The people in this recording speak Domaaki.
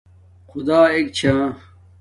خُدا اݵک چھݳ.